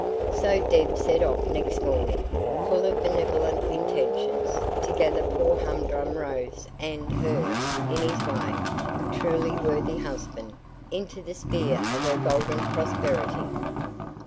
So Deb set off next morning, full of benevolent intentions, to gather poor humdrum Rose and her (in his way) truly worthy husband into the sphere of her golden prosperity.